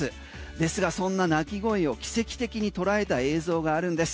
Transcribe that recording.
ですが、そんな鳴き声を奇跡的に捉えた映像があるんです。